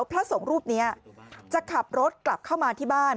พระสงฆ์รูปนี้จะขับรถกลับเข้ามาที่บ้าน